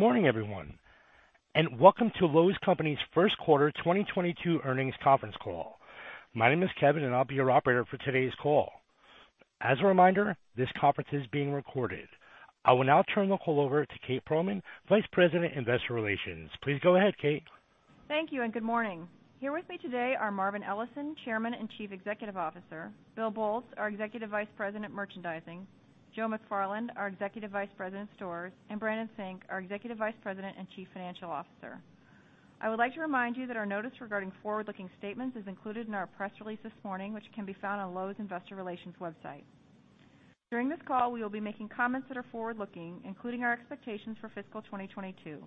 Good morning, everyone, and welcome to Lowe's Companies' First Quarter 2022 Earnings Conference Call. My name is Kevin, and I'll be your operator for today's call. As a reminder, this conference is being recorded. I will now turn the call over to Kate Pearlman, Vice President, Investor Relations. Please go ahead, Kate. Thank you, and good morning. Here with me today are Marvin Ellison, Chairman and Chief Executive Officer, Bill Boltz, our Executive Vice President, Merchandising, Joe McFarland, our Executive Vice President, Stores, and Brandon Sink, our Executive Vice President and Chief Financial Officer. I would like to remind you that our notice regarding forward-looking statements is included in our press release this morning, which can be found on Lowe's Investor Relations website. During this call, we will be making comments that are forward-looking, including our expectations for fiscal 2022.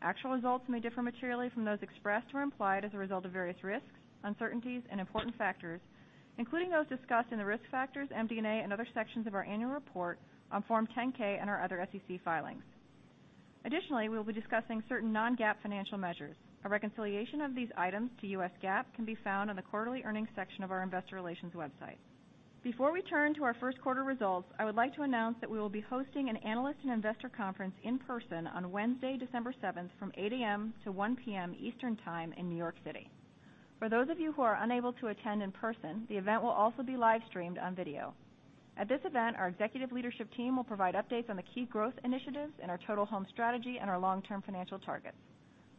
Actual results may differ materially from those expressed or implied as a result of various risks, uncertainties, and important factors, including those discussed in the Risk Factors, MD&A, and other sections of our Annual Report on Form 10-K and our other SEC filings. Additionally, we will be discussing certain non-GAAP financial measures. A reconciliation of these items to U.S. GAAP can be found on the quarterly earnings section of our investor relations website. Before we turn to our first quarter results, I would like to announce that we will be hosting an analyst and investor conference in person on Wednesday, December seventh, from 8:00 A.M.-1:00 P.M. Eastern Time in New York City. For those of you who are unable to attend in person, the event will also be live-streamed on video. At this event, our executive leadership team will provide updates on the key growth initiatives in our Total Home strategy and our long-term financial targets.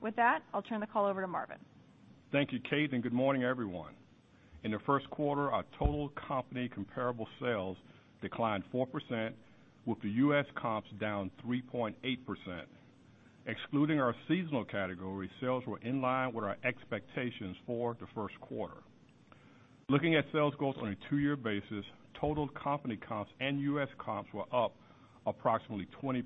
With that, I'll turn the call over to Marvin. Thank you, Kate, and good morning, everyone. In the first quarter, our total company comparable sales declined 4% with the U.S. comps down 3.8%. Excluding our seasonal category, sales were in line with our expectations for the first quarter. Looking at sales growth on a two-year basis, total company comps and U.S. comps were up approximately 20%.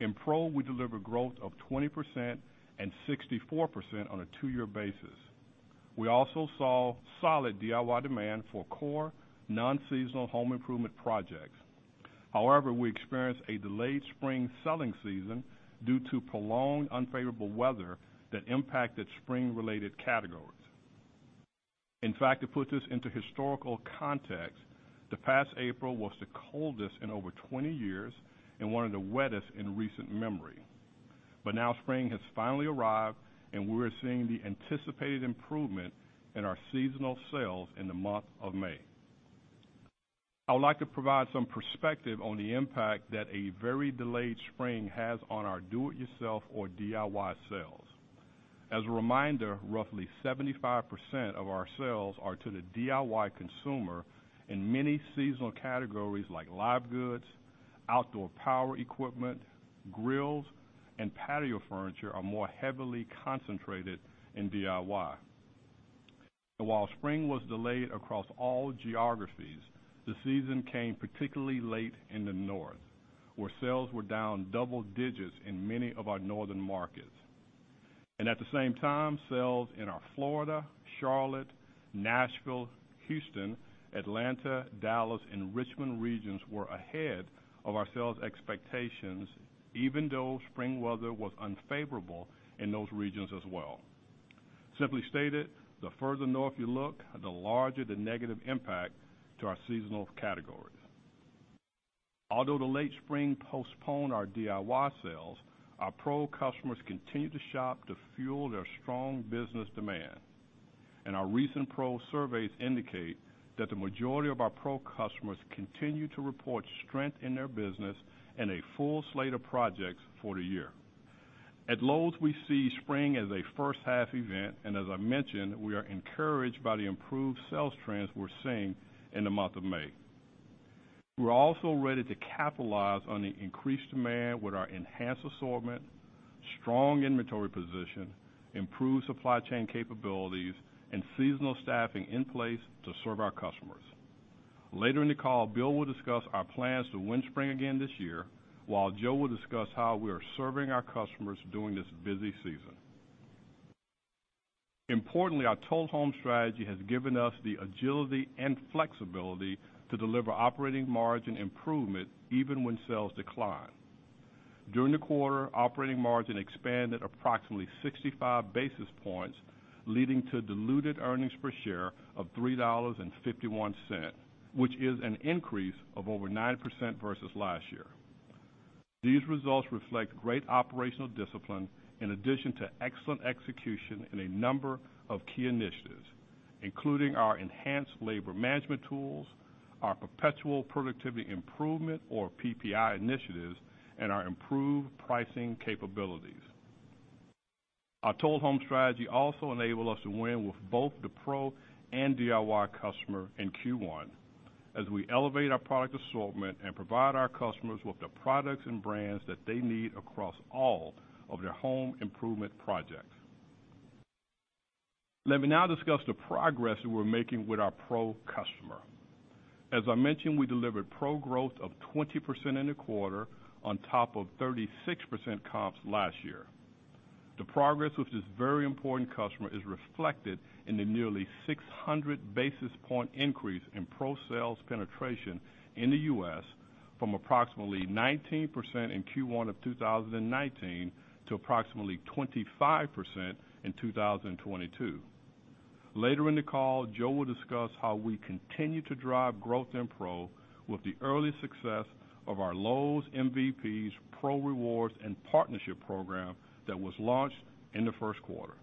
In Pro, we delivered growth of 20% and 64% on a two-year basis. We also saw solid DIY demand for core non-seasonal home improvement projects. However, we experienced a delayed spring selling season due to prolonged unfavorable weather that impacted spring-related categories. In fact, to put this into historical context, the past April was the coldest in over 20 years and one of the wettest in recent memory. Now spring has finally arrived, and we're seeing the anticipated improvement in our seasonal sales in the month of May. I would like to provide some perspective on the impact that a very delayed spring has on our do it yourself or DIY sales. As a reminder, roughly 75% of our sales are to the DIY consumer, and many seasonal categories like live goods, outdoor power equipment, grills, and patio furniture are more heavily concentrated in DIY. While spring was delayed across all geographies, the season came particularly late in the North, where sales were down double digits in many of our northern markets. At the same time, sales in our Florida, Charlotte, Nashville, Houston, Atlanta, Dallas, and Richmond regions were ahead of our sales expectations, even though spring weather was unfavorable in those regions as well. Simply stated, the further north you look, the larger the negative impact to our seasonal categories. Although the late spring postponed our DIY sales, our Pro customers continued to shop to fuel their strong business demand. Our recent Pro surveys indicate that the majority of our Pro customers continue to report strength in their business and a full slate of projects for the year. At Lowe's, we see spring as a first half event, and as I mentioned, we are encouraged by the improved sales trends we're seeing in the month of May. We're also ready to capitalize on the increased demand with our enhanced assortment, strong inventory position, improved supply chain capabilities, and seasonal staffing in place to serve our customers. Later in the call, Bill will discuss our plans to win spring again this year, while Joe will discuss how we are serving our customers during this busy season. Importantly, our Total Home strategy has given us the agility and flexibility to deliver operating margin improvement even when sales decline. During the quarter, operating margin expanded approximately 65 basis points, leading to diluted earnings per share of $3.51, which is an increase of over 9% versus last year. These results reflect great operational discipline in addition to excellent execution in a number of key initiatives, including our enhanced labor management tools, our perpetual productivity improvement or PPI initiatives, and our improved pricing capabilities. Our Total Home strategy also enabled us to win with both the Pro and DIY customer in Q1 as we elevate our product assortment and provide our customers with the products and brands that they need across all of their home improvement projects. Let me now discuss the progress that we're making with our Pro customer. As I mentioned, we delivered Pro growth of 20% in the quarter on top of 36% comps last year. The progress with this very important customer is reflected in the nearly 600 basis point increase in Pro sales penetration in the U.S. from approximately 19% in Q1 of 2019 to approximately 25% in 2022. Later in the call, Joe will discuss how we continue to drive growth in Pro with the early success of our MyLowe's Pro Rewards and Partnership Program that was launched in the first quarter.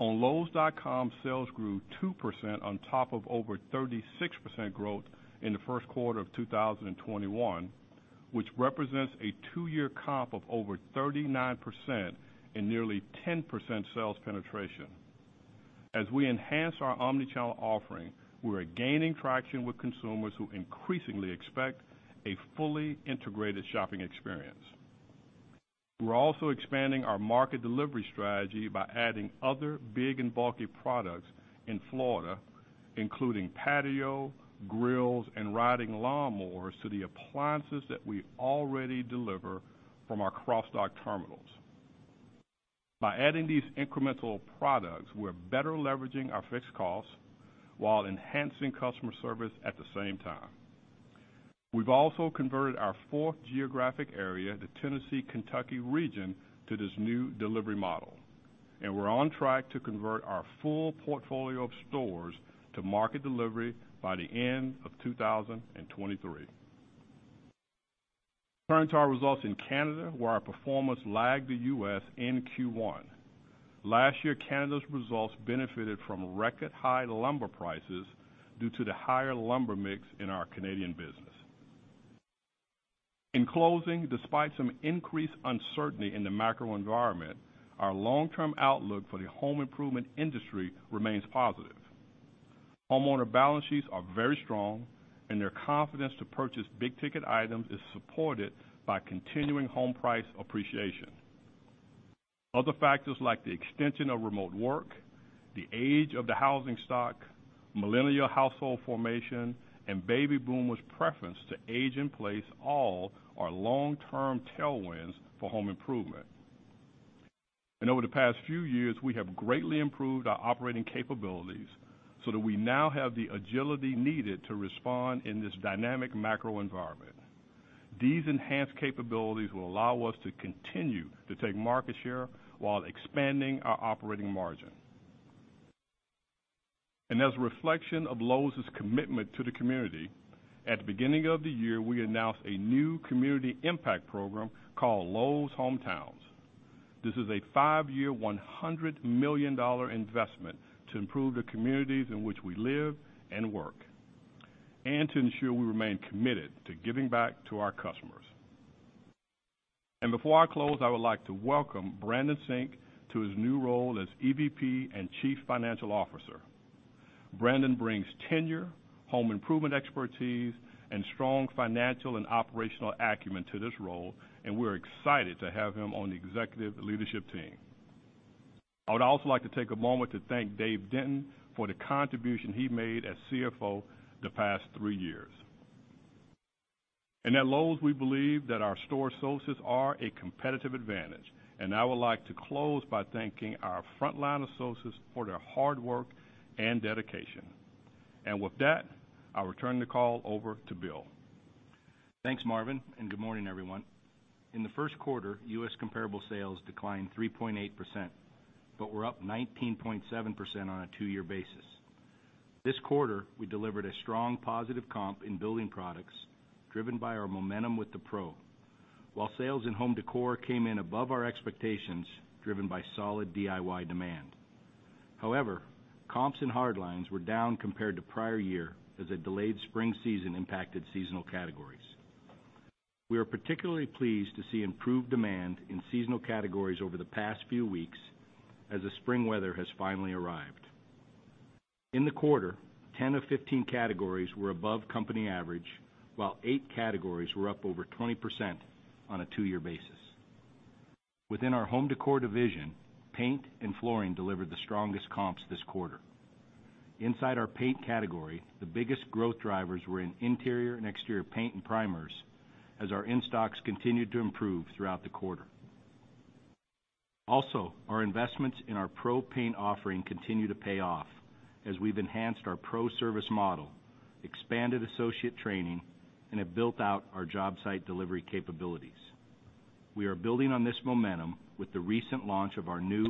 On Lowe's.com, sales grew 2% on top of over 36% growth in the first quarter of 2021, which represents a two-year comp of over 39% and nearly 10% sales penetration. As we enhance our omni-channel offering, we are gaining traction with consumers who increasingly expect a fully integrated shopping experience. We're also expanding our market delivery strategy by adding other big and bulky products in Florida, including patio, grills, and riding lawn mowers to the appliances that we already deliver from our cross-dock terminals. By adding these incremental products, we're better leveraging our fixed costs while enhancing customer service at the same time. We've also converted our fourth geographic area, the Tennessee-Kentucky region, to this new delivery model, and we're on track to convert our full portfolio of stores to market delivery by the end of 2023. Turning to our results in Canada, where our performance lagged the U.S. in Q1. Last year, Canada's results benefited from record high lumber prices due to the higher lumber mix in our Canadian business. In closing, despite some increased uncertainty in the macro environment, our long-term outlook for the home improvement industry remains positive. Homeowner balance sheets are very strong, and their confidence to purchase big-ticket items is supported by continuing home price appreciation. Other factors like the extension of remote work, the age of the housing stock, millennial household formation, and baby boomers' preference to age in place all are long-term tailwinds for home improvement. Over the past few years, we have greatly improved our operating capabilities so that we now have the agility needed to respond in this dynamic macro environment. These enhanced capabilities will allow us to continue to take market share while expanding our operating margin. As a reflection of Lowe's commitment to the community, at the beginning of the year, we announced a new community impact program called Lowe's Hometowns. This is a five year, $100 million investment to improve the communities in which we live and work, and to ensure we remain committed to giving back to our customers. Before I close, I would like to welcome Brandon Sink to his new role as EVP and Chief Financial Officer. Brandon brings tenure, home improvement expertise, and strong financial and operational acumen to this role, and we're excited to have him on the executive leadership team. I would also like to take a moment to thank David Denton for the contribution he made as CFO the past three years. At Lowe's, we believe that our store associates are a competitive advantage, and I would like to close by thanking our frontline associates for their hard work and dedication. With that, I'll return the call over to Bill Boltz. Thanks, Marvin, and good morning, everyone. In the first quarter, U.S. comparable sales declined 3.8%, but were up 19.7% on a two-year basis. This quarter, we delivered a strong positive comp in building products driven by our momentum with the pro, while sales in home decor came in above our expectations, driven by solid DIY demand. However, comps and hard lines were down compared to prior year as a delayed spring season impacted seasonal categories. We are particularly pleased to see improved demand in seasonal categories over the past few weeks as the spring weather has finally arrived. In the quarter, 10 of 15 categories were above company average, while eight categories were up over 20% on a two-year basis. Within our home decor division, paint and flooring delivered the strongest comps this quarter. Inside our paint category, the biggest growth drivers were in interior and exterior paint and primers, as our in-stocks continued to improve throughout the quarter. Also, our investments in our pro paint offering continue to pay off as we've enhanced our pro service model, expanded associate training, and have built out our job site delivery capabilities. We are building on this momentum with the recent launch of our new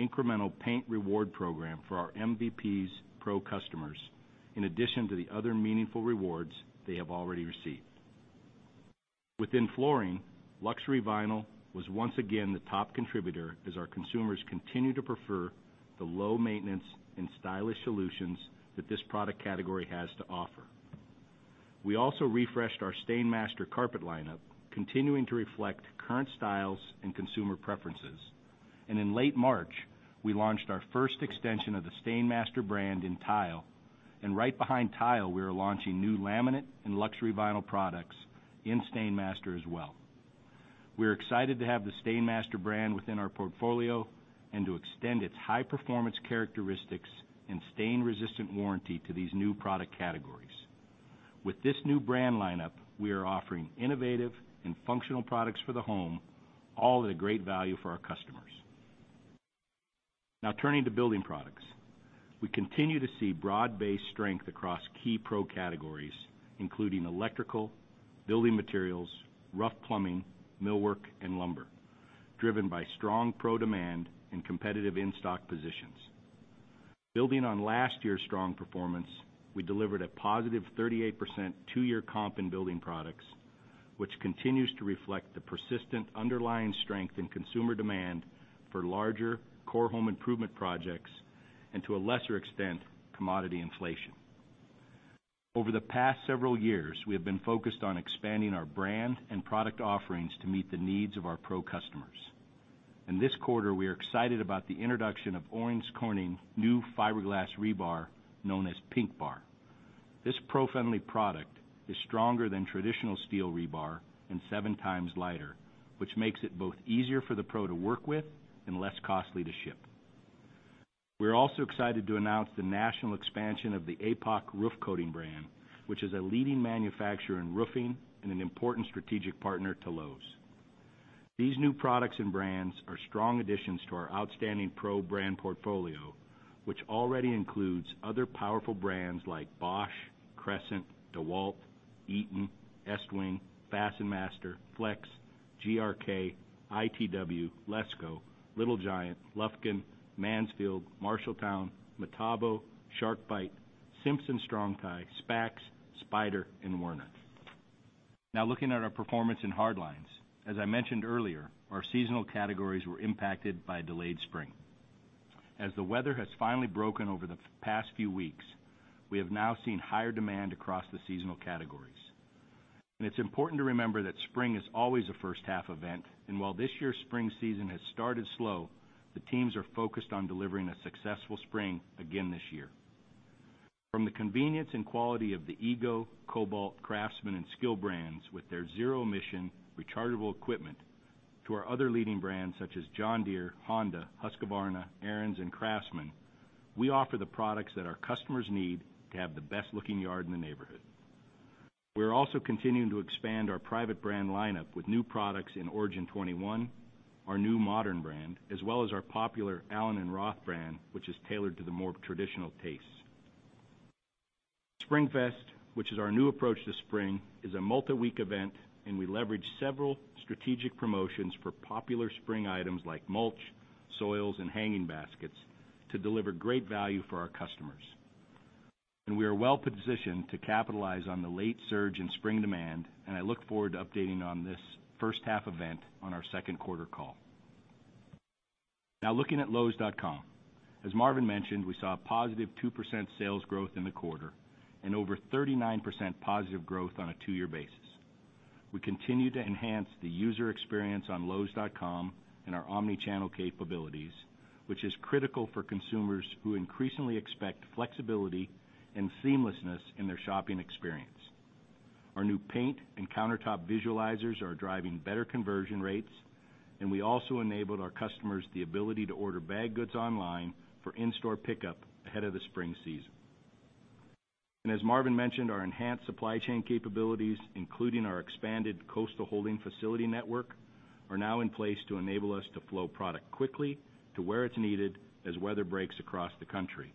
incremental paint reward program for our MVPs pro customers, in addition to the other meaningful rewards they have already received. Within flooring, luxury vinyl was once again the top contributor as our consumers continue to prefer the low-maintenance and stylish solutions that this product category has to offer. We also refreshed our STAINMASTER carpet lineup, continuing to reflect current styles and consumer preferences. In late March, we launched our first extension of the STAINMASTER brand in tile. Right behind tile, we are launching new laminate and luxury vinyl products in STAINMASTER as well. We're excited to have the STAINMASTER brand within our portfolio and to extend its high-performance characteristics and stain-resistant warranty to these new product categories. With this new brand lineup, we are offering innovative and functional products for the home, all at a great value for our customers. Now turning to building products. We continue to see broad-based strength across key pro categories, including electrical, building materials, rough plumbing, millwork, and lumber, driven by strong pro demand and competitive in-stock positions. Building on last year's strong performance, we delivered a positive 38% two-year comp in building products, which continues to reflect the persistent underlying strength in consumer demand for larger core home improvement projects and, to a lesser extent, commodity inflation. Over the past several years, we have been focused on expanding our brand and product offerings to meet the needs of our pro customers. In this quarter, we are excited about the introduction of Owens Corning new fiberglass rebar known as PINKBAR. This pro-friendly product is stronger than traditional steel rebar and 7x lighter, which makes it both easier for the pro to work with and less costly to ship. We're also excited to announce the national expansion of the APOC roof coating brand, which is a leading manufacturer in roofing and an important strategic partner to Lowe's. These new products and brands are strong additions to our outstanding pro brand portfolio, which already includes other powerful brands like Bosch, Crescent, DEWALT, Eaton, Estwing, FastenMaster, FLEX, GRK, ITW, LESCO, Little Giant, Lufkin, Mansfield, Marshalltown, Metabo, SharkBite, Simpson Strong-Tie, SPAX, Spyder, and Werner. Now looking at our performance in hard lines. As I mentioned earlier, our seasonal categories were impacted by a delayed spring. As the weather has finally broken over the past few weeks, we have now seen higher demand across the seasonal categories. It's important to remember that spring is always a first-half event, and while this year's spring season has started slow, the teams are focused on delivering a successful spring again this year. From the convenience and quality of the EGO, Kobalt, Craftsman, and SKIL brands with their zero-emission rechargeable equipment to our other leading brands such as John Deere, Honda, Husqvarna, Ariens, and Craftsman, we offer the products that our customers need to have the best-looking yard in the neighborhood. We're also continuing to expand our private brand lineup with new products in Origin 21, our new modern brand, as well as our popular allen + roth brand, which is tailored to the more traditional tastes. SpringFest, which is our new approach to spring, is a multi-week event, and we leverage several strategic promotions for popular spring items like mulch, soils, and hanging baskets to deliver great value for our customers. We are well-positioned to capitalize on the late surge in spring demand, and I look forward to updating on this first-half event on our second quarter call. Now looking at Lowe's.com. As Marvin mentioned, we saw a positive 2% sales growth in the quarter and over 39% positive growth on a two-year basis. We continue to enhance the user experience on Lowe's.com and our omnichannel capabilities, which is critical for consumers who increasingly expect flexibility and seamlessness in their shopping experience. Our new paint and countertop visualizers are driving better conversion rates, and we also enabled our customers the ability to order bag goods online for in-store pickup ahead of the spring season. As Marvin mentioned, our enhanced supply chain capabilities, including our expanded coastal holding facility network, are now in place to enable us to flow product quickly to where it's needed as weather breaks across the country.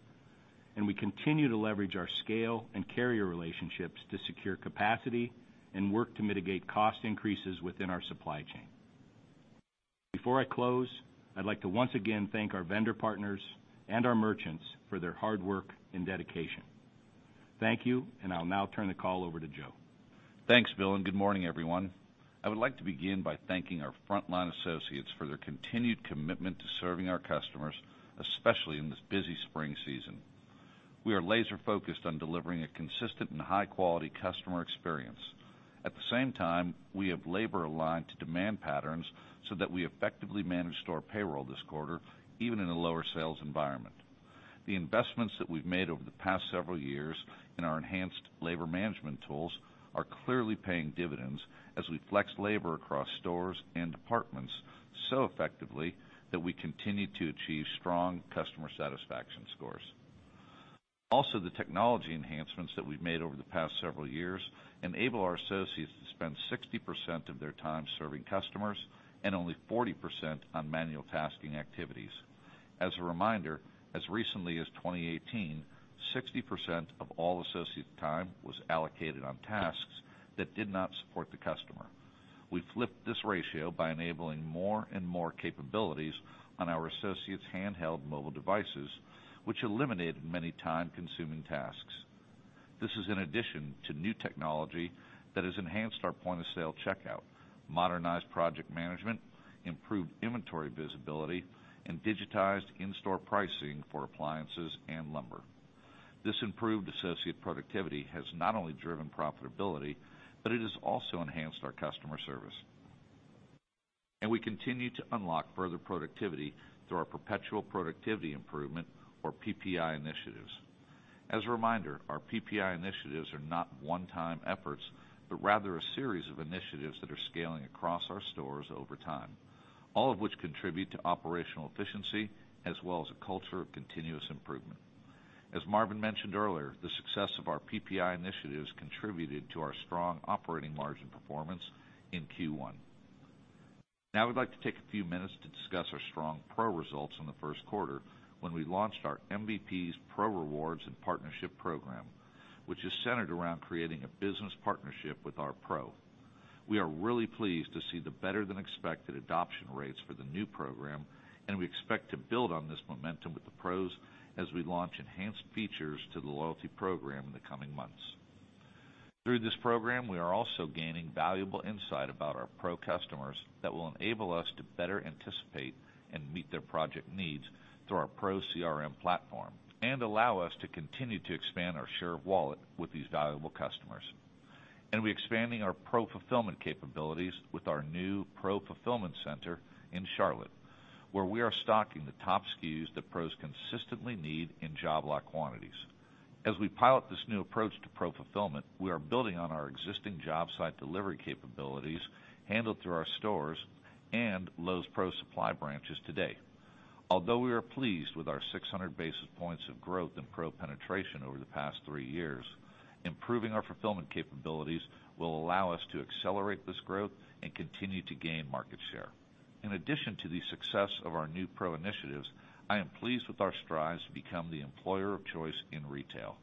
We continue to leverage our scale and carrier relationships to secure capacity and work to mitigate cost increases within our supply chain. Before I close, I'd like to once again thank our vendor partners and our merchants for their hard work and dedication. Thank you, and I'll now turn the call over to Joe. Thanks, Bill, and good morning, everyone. I would like to begin by thanking our frontline associates for their continued commitment to serving our customers, especially in this busy spring season. We are laser-focused on delivering a consistent and high-quality customer experience. At the same time, we have labor aligned to demand patterns so that we effectively manage store payroll this quarter, even in a lower sales environment. The investments that we've made over the past several years in our enhanced labor management tools are clearly paying dividends as we flex labor across stores and departments so effectively that we continue to achieve strong customer satisfaction scores. Also, the technology enhancements that we've made over the past several years enable our associates to spend 60% of their time serving customers and only 40% on manual tasking activities. As a reminder, as recently as 2018, 60% of all associate time was allocated on tasks that did not support the customer. We flipped this ratio by enabling more and more capabilities on our associates' handheld mobile devices, which eliminated many time-consuming tasks. This is in addition to new technology that has enhanced our point-of-sale checkout, modernized project management, improved inventory visibility, and digitized in-store pricing for appliances and lumber. This improved associate productivity has not only driven profitability, but it has also enhanced our customer service. We continue to unlock further productivity through our perpetual productivity improvement or PPI initiatives. As a reminder, our PPI initiatives are not one-time efforts, but rather a series of initiatives that are scaling across our stores over time, all of which contribute to operational efficiency as well as a culture of continuous improvement. As Marvin mentioned earlier, the success of our PPI initiatives contributed to our strong operating margin performance in Q1. Now I'd like to take a few minutes to discuss our strong pro results in the first quarter when we launched our MyLowe's Pro Rewards and Partnership program, which is centered around creating a business partnership with our pro. We are really pleased to see the better-than-expected adoption rates for the new program, and we expect to build on this momentum with the pros as we launch enhanced features to the loyalty program in the coming months. Through this program, we are also gaining valuable insight about our pro customers that will enable us to better anticipate and meet their project needs through our Pro CRM platform and allow us to continue to expand our share of wallet with these valuable customers. We're expanding our pro fulfillment capabilities with our new pro fulfillment center in Charlotte, where we are stocking the top SKUs that pros consistently need in job lot quantities. As we pilot this new approach to pro fulfillment, we are building on our existing job site delivery capabilities handled through our stores and Lowe's Pro Supply branches today. Although we are pleased with our 600 basis points of growth in pro penetration over the past three years, improving our fulfillment capabilities will allow us to accelerate this growth and continue to gain market share. In addition to the success of our new pro initiatives, I am pleased with our strides to become the employer of choice in retail.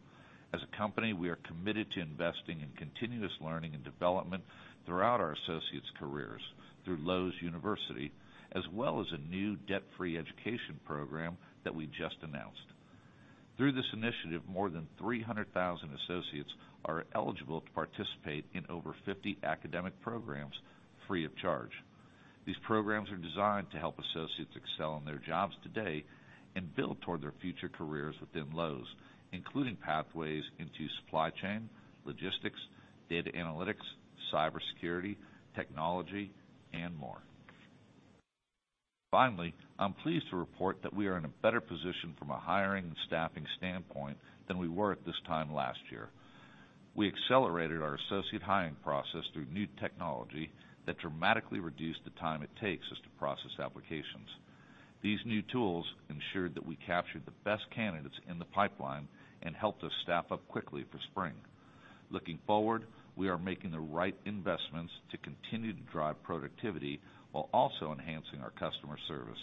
As a company, we are committed to investing in continuous learning and development throughout our associates' careers through Lowe's University, as well as a new debt-free education program that we just announced. Through this initiative, more than 300,000 associates are eligible to participate in over 50 academic programs free of charge. These programs are designed to help associates excel in their jobs today and build toward their future careers within Lowe's, including pathways into supply chain, logistics, data analytics, cybersecurity, technology, and more. Finally, I'm pleased to report that we are in a better position from a hiring and staffing standpoint than we were at this time last year. We accelerated our associate hiring process through new technology that dramatically reduced the time it takes us to process applications. These new tools ensured that we captured the best candidates in the pipeline and helped us staff up quickly for spring. Looking forward, we are making the right investments to continue to drive productivity while also enhancing our customer service,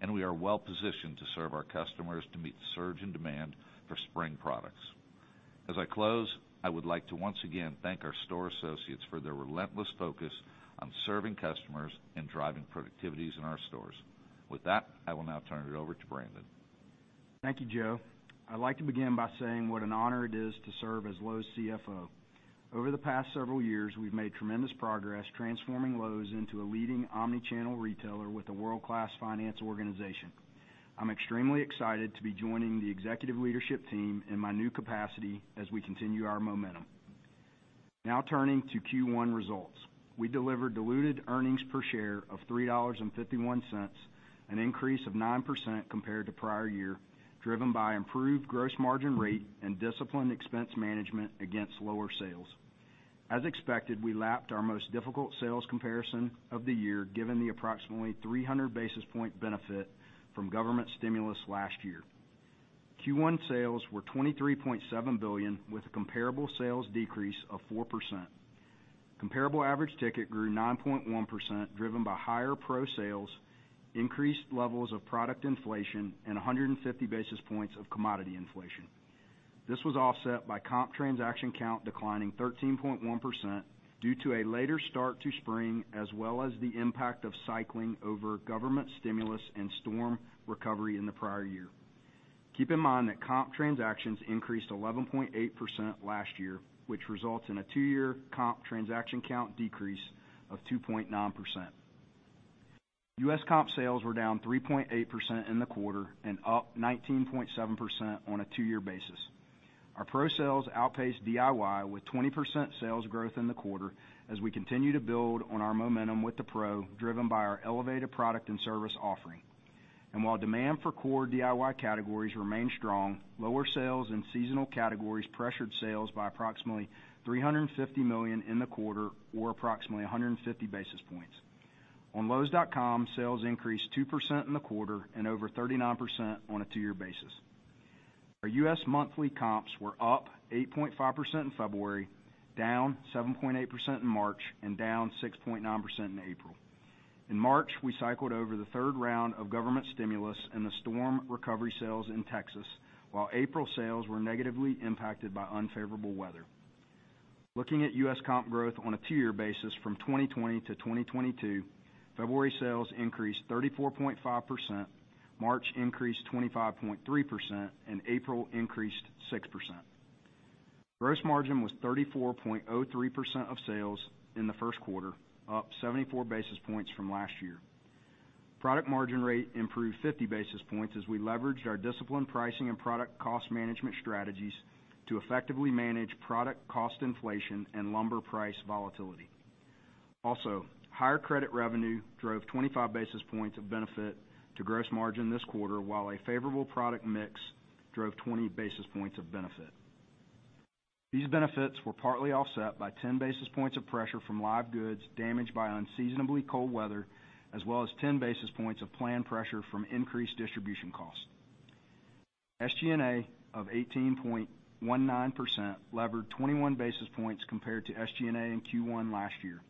and we are well positioned to serve our customers to meet the surge in demand for spring products. As I close, I would like to once again thank our store associates for their relentless focus on serving customers and driving productivities in our stores. With that, I will now turn it over to Brandon. Thank you, Joe. I'd like to begin by saying what an honor it is to serve as Lowe's CFO. Over the past several years, we've made tremendous progress transforming Lowe's into a leading omni-channel retailer with a world-class finance organization. I'm extremely excited to be joining the executive leadership team in my new capacity as we continue our momentum. Now turning to Q1 results. We delivered diluted earnings per share of $3.51, an increase of 9% compared to prior year, driven by improved gross margin rate and disciplined expense management against lower sales. As expected, we lapped our most difficult sales comparison of the year, given the approximately 300 basis point benefit from government stimulus last year. Q1 sales were $23.7 billion, with a comparable sales decrease of 4%. Comparable average ticket grew 9.1%, driven by higher pro sales, increased levels of product inflation, and 150 basis points of commodity inflation. This was offset by comp transaction count declining 13.1% due to a later start to spring, as well as the impact of cycling over government stimulus and storm recovery in the prior year. Keep in mind that comp transactions increased 11.8% last year, which results in a two-year comp transaction count decrease of 2.9%. U.S. comp sales were down 3.8% in the quarter and up 19.7% on a two-year basis. Our pro sales outpaced DIY with 20% sales growth in the quarter as we continue to build on our momentum with the pro, driven by our elevated product and service offering. While demand for core DIY categories remained strong, lower sales in seasonal categories pressured sales by approximately $350 million in the quarter, or approximately 150 basis points. On Lowe's.com, sales increased 2% in the quarter and over 39% on a two-year basis. Our U.S. monthly comps were up 8.5% in February, down 7.8% in March, and down 6.9% in April. In March, we cycled over the third round of government stimulus and the storm recovery sales in Texas, while April sales were negatively impacted by unfavorable weather. Looking at U.S. comp growth on a two-year basis from 2020 to 2022, February sales increased 34.5%, March increased 25.3%, and April increased 6%. Gross margin was 34.03% of sales in the first quarter, up 74 basis points from last year. Product margin rate improved 50 basis points as we leveraged our disciplined pricing and product cost management strategies to effectively manage product cost inflation and lumber price volatility. Also, higher credit revenue drove 25 basis points of benefit to gross margin this quarter, while a favorable product mix drove 20 basis points of benefit. These benefits were partly offset by 10 basis points of pressure from live goods damaged by unseasonably cold weather, as well as 10 basis points of planned pressure from increased distribution costs. SG&A of 18.19% levered 21 basis points compared to SG&A in Q1 last year.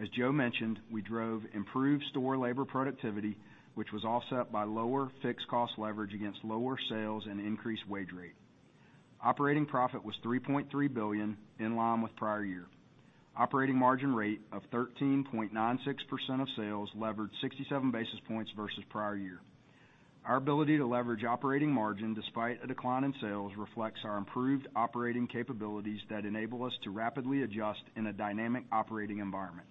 As Joe mentioned, we drove improved store labor productivity, which was offset by lower fixed cost leverage against lower sales and increased wage rate. Operating profit was $3.3 billion in line with prior year. Operating margin rate of 13.96% of sales levered 67 basis points versus prior year. Our ability to leverage operating margin despite a decline in sales reflects our improved operating capabilities that enable us to rapidly adjust in a dynamic operating environment.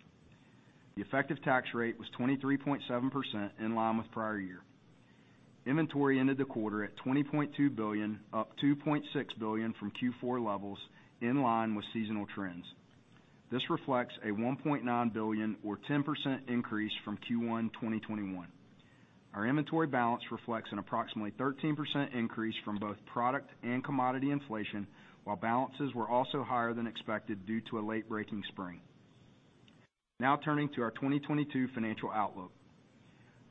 The effective tax rate was 23.7% in line with prior year. Inventory ended the quarter at $20.2 billion, up $2.6 billion from Q4 levels in line with seasonal trends. This reflects a $1.9 billion or 10% increase from Q1 2021. Our inventory balance reflects an approximately 13% increase from both product and commodity inflation, while balances were also higher than expected due to a late breaking spring. Now turning to our 2022 financial outlook.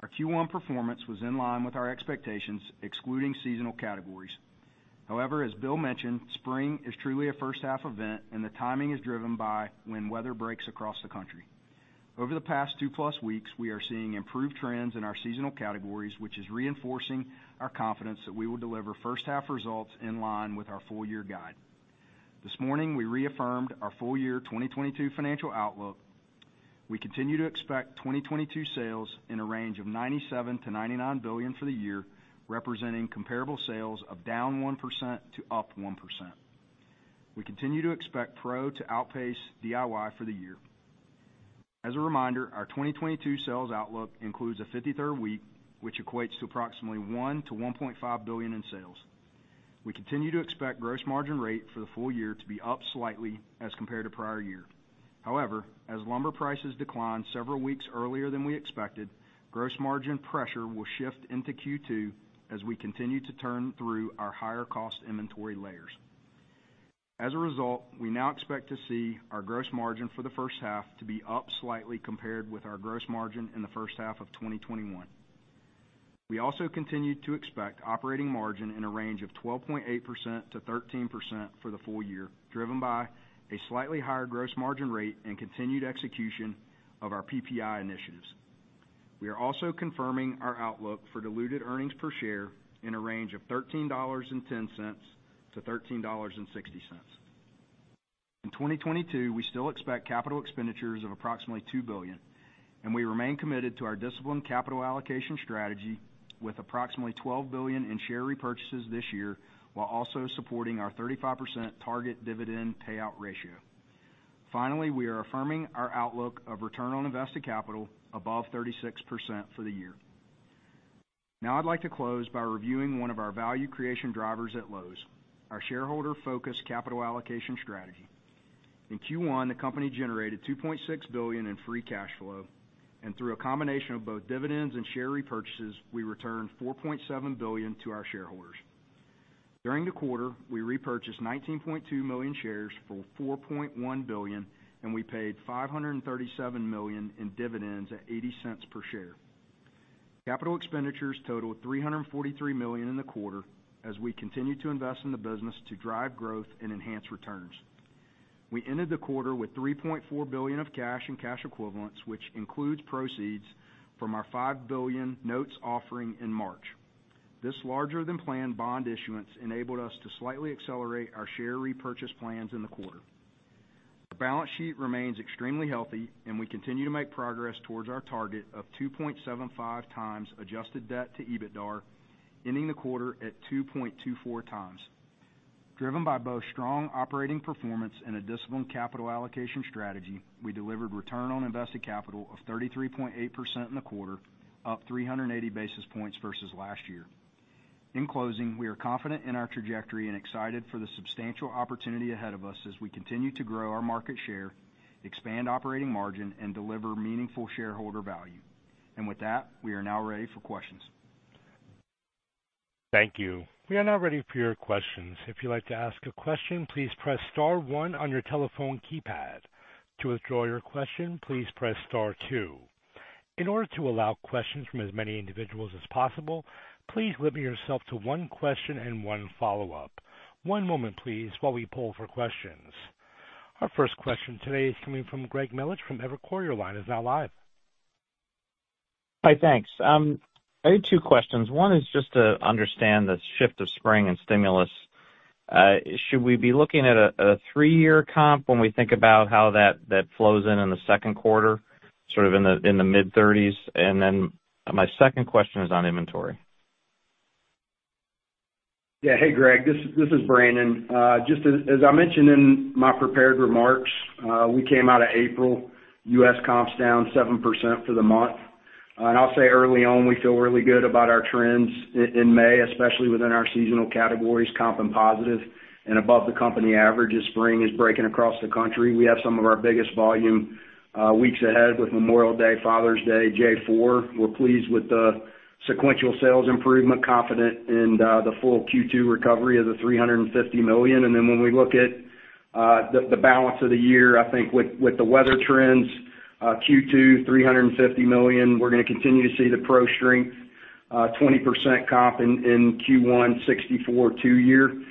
Our Q1 performance was in line with our expectations, excluding seasonal categories. However, as Bill mentioned, spring is truly a first half event, and the timing is driven by when weather breaks across the country. Over the past 2+ weeks, we are seeing improved trends in our seasonal categories, which is reinforcing our confidence that we will deliver first half results in line with our full year guide. This morning, we reaffirmed our full year 2022 financial outlook. We continue to expect 2022 sales in a range of $97 billion-$99 billion for the year, representing comparable sales of down 1% to up 1%. We continue to expect pro to outpace DIY for the year. As a reminder, our 2022 sales outlook includes a 53rd week, which equates to approximately $1 billion-$1.5 billion in sales. We continue to expect gross margin rate for the full year to be up slightly as compared to prior year. However, as lumber prices decline several weeks earlier than we expected, gross margin pressure will shift into Q2 as we continue to turn through our higher cost inventory layers. As a result, we now expect to see our gross margin for the first half to be up slightly compared with our gross margin in the first half of 2021. We also continue to expect operating margin in a range of 12.8%-13% for the full year, driven by a slightly higher gross margin rate and continued execution of our PPI initiatives. We are also confirming our outlook for diluted earnings per share in a range of $13.10-$13.60. In 2022, we still expect capital expenditures of approximately $2 billion, and we remain committed to our disciplined capital allocation strategy with approximately $12 billion in share repurchases this year while also supporting our 35% target dividend payout ratio. Finally, we are affirming our outlook of return on invested capital above 36% for the year. Now I'd like to close by reviewing one of our value creation drivers at Lowe's, our shareholder focused capital allocation strategy. In Q1, the company generated $2.6 billion in free cash flow, and through a combination of both dividends and share repurchases, we returned $4.7 billion to our shareholders. During the quarter, we repurchased 19.2 million shares for $4.1 billion, and we paid $537 million in dividends at $0.80 per share. Capital expenditures totaled $343 million in the quarter as we continue to invest in the business to drive growth and enhance returns. We ended the quarter with $3.4 billion of cash and cash equivalents, which includes proceeds from our $5 billion notes offering in March. This larger than planned bond issuance enabled us to slightly accelerate our share repurchase plans in the quarter. Our balance sheet remains extremely healthy, and we continue to make progress towards our target of 2.75x adjusted debt to EBITDAR, ending the quarter at 2.24x. Driven by both strong operating performance and a disciplined capital allocation strategy, we delivered return on invested capital of 33.8% in the quarter, up 380 basis points versus last year. In closing, we are confident in our trajectory and excited for the substantial opportunity ahead of us as we continue to grow our market share, expand operating margin and deliver meaningful shareholder value. With that, we are now ready for questions. Thank you. We are now ready for your questions. If you'd like to ask a question, please press star one on your telephone keypad. To withdraw your question, please press star two. In order to allow questions from as many individuals as possible, please limit yourself to one question and one follow-up. One moment please, while we poll for questions. Our first question today is coming from Greg Melich from Evercore. Your line is now live. Hi, thanks. I had two questions. One is just to understand the shift of spring and stimulus. Should we be looking at a three-year comp when we think about how that flows in the second quarter, sort of in the mid-30s? And then my second question is on inventory. Hey, Greg, this is Brandon. Just as I mentioned in my prepared remarks, we came out of April, U.S. comps down 7% for the month. And I'll say early on, we feel really good about our trends in May, especially within our seasonal categories, comps are positive and above the company average as spring is breaking across the country. We have some of our biggest volume weeks ahead with Memorial Day, Father's Day, July 4th. We're pleased with the sequential sales improvement, confident in the full Q2 recovery of the $350 million. Then when we look at the balance of the year, I think with the weather trends. Q2, $350 million. We're gonna continue to see the Pro strength, 20% comp in Q1, 64 two-year.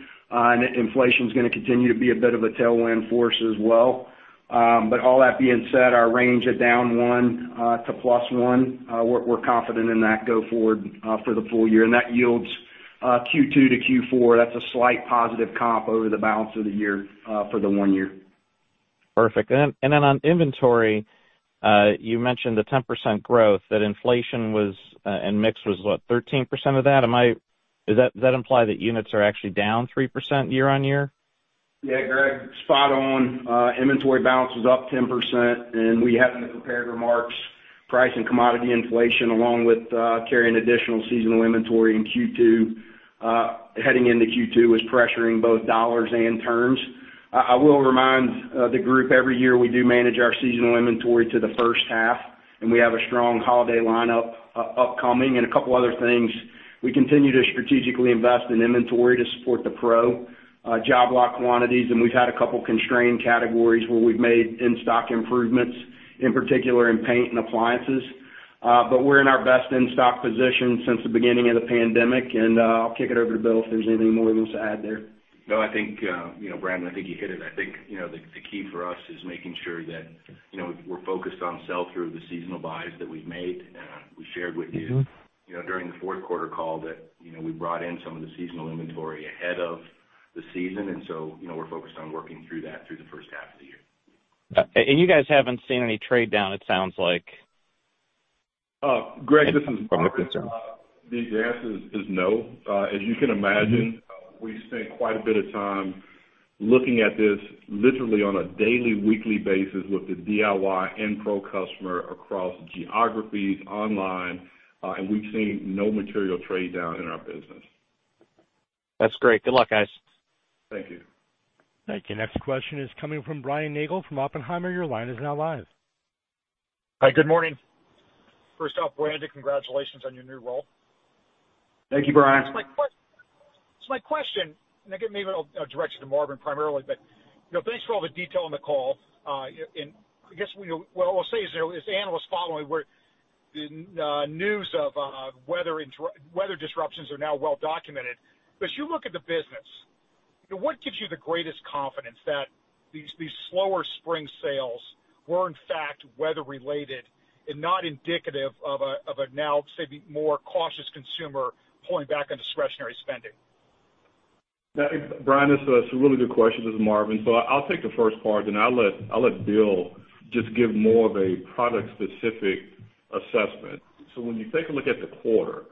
Inflation's gonna continue to be a bit of a tailwind for us as well. All that being said, our range at down 1% to +1%, we're confident in that go forward for the full year. That yields Q2 to Q4. That's a slight positive comp over the balance of the year for the one year. Perfect. Then on inventory, you mentioned the 10% growth that inflation was, and mix was what, 13% of that? Am I? Does that imply that units are actually down 3% year-over-year? Yeah, Greg, spot on. Inventory balance was up 10%, and we had in the prepared remarks, price and commodity inflation along with carrying additional seasonal inventory in Q2 heading into Q2 was pressuring both dollars and turns. I will remind the group, every year, we do manage our seasonal inventory to the first half, and we have a strong holiday lineup upcoming and a couple other things. We continue to strategically invest in inventory to support the pro job lot quantities, and we've had a couple constrained categories where we've made in-stock improvements, in particular in paint and appliances. But we're in our best in-stock position since the beginning of the pandemic, and I'll kick it over to Bill if there's anything more he wants to add there. No, I think, you know, Brandon, I think you hit it. I think, you know, the key for us is making sure that, you know, we're focused on sell-through of the seasonal buys that we've made. We shared with you. Mm-hmm You know, during the fourth quarter call that, you know, we brought in some of the seasonal inventory ahead of the season. You know, we're focused on working through that through the first half of the year. You guys haven't seen any trade down, it sounds like. Greg, this is Marvin. The answer is no. As you can imagine. Mm-hmm We spent quite a bit of time looking at this literally on a daily, weekly basis with the DIY and pro customer across geographies, online, and we've seen no material trade down in our business. That's great. Good luck, guys. Thank you. Thank you. Next question is coming from Brian Nagel from Oppenheimer. Your line is now live. Hi, good morning. First off, Brandon, congratulations on your new role. Thank you, Brian. My question, and again, maybe I'll direct it to Marvin primarily, but you know, thanks for all the detail on the call. I guess what I will say is, you know, as analysts following, the news of weather disruptions are now well documented. You look at the business, you know, what gives you the greatest confidence that these slower spring sales were in fact weather related and not indicative of a now, say, more cautious consumer pulling back on discretionary spending? Brian, it's a really good question. This is Marvin. I'll take the first part, then I'll let Bill just give more of a product specific assessment. When you take a look at the quarter,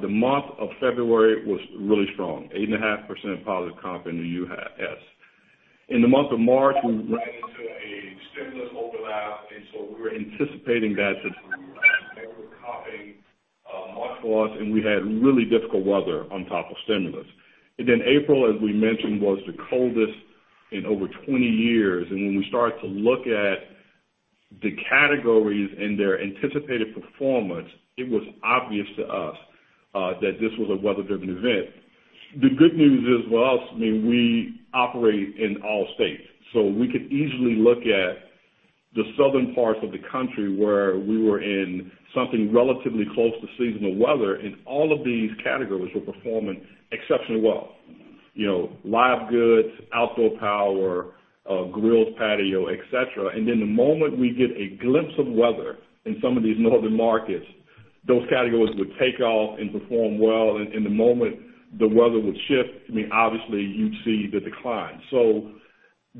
the month of February was really strong, 8.5% positive comp in the U.S. In the month of March, we ran into a stimulus overlap, and so we were anticipating that since we were comping March last, and we had really difficult weather on top of stimulus. Then April, as we mentioned, was the coldest in over 20 years. When we started to look at the categories and their anticipated performance, it was obvious to us that this was a weather-driven event. The good news is, well, I mean, we operate in all states, so we could easily look at the southern parts of the country, where we were in something relatively close to seasonal weather, and all of these categories were performing exceptionally well. You know, live goods, outdoor power, grills, patio, et cetera. The moment we get a glimpse of weather in some of these northern markets, those categories would take off and perform well. The moment the weather would shift, I mean, obviously you'd see the decline.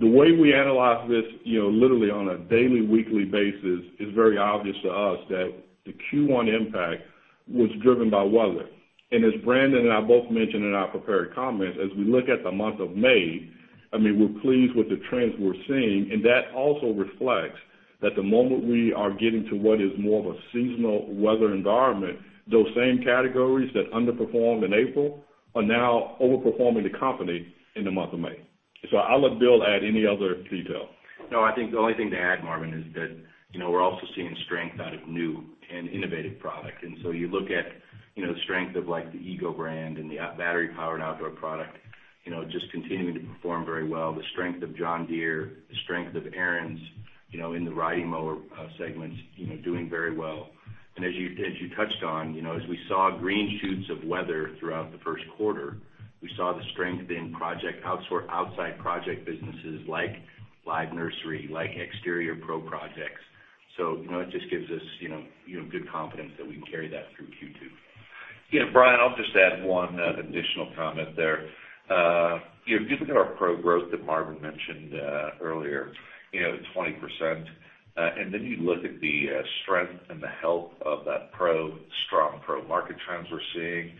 The way we analyze this, you know, literally on a daily, weekly basis, it's very obvious to us that the Q1 impact was driven by weather. As Brandon and I both mentioned in our prepared comments, as we look at the month of May, I mean, we're pleased with the trends we're seeing, and that also reflects that the moment we are getting to what is more of a seasonal weather environment, those same categories that underperformed in April are now overperforming the company in the month of May. I'll let Bill Boltz add any other detail. No, I think the only thing to add, Marvin, is that, you know, we're also seeing strength out of new and innovative product. You look at, you know, the strength of like the EGO brand and the battery-powered outdoor product, you know, just continuing to perform very well. The strength of John Deere, the strength of Ariens, you know, in the riding mower segments, you know, doing very well. As you touched on, you know, as we saw green shoots of weather throughout the first quarter, we saw the strength in outside project businesses like live nursery, like exterior pro projects. It just gives us, you know, good confidence that we can carry that through Q2. Yeah, Brian, I'll just add one additional comment there. You know, if you look at our Pro growth that Marvin mentioned earlier, you know, 20%, and then you look at the strength and the health of that Pro, strong Pro market trends we're seeing,